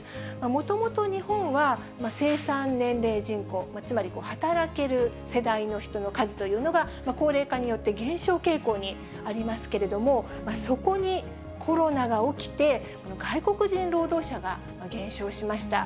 もともと、日本は、生産年齢人口、つまり働ける世代の人の数というのが、高齢化によって減少傾向にありますけれども、そこにコロナが起きて、外国人労働者が減少しました。